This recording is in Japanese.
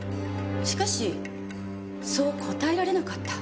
しかしそう答えられなかった。